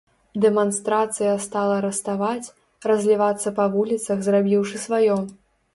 Дэманстрацыя стала раставаць, разлівацца па вуліцах, зрабіўшы сваё.